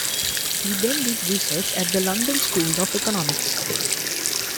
He then did research at the London School of Economics.